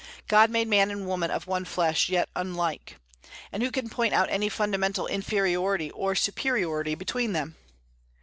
God made man and woman of one flesh, yet unlike. And who can point out any fundamental inferiority or superiority between them?